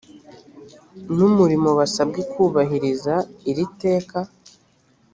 n umurimo basabwe kubahiriza iri teka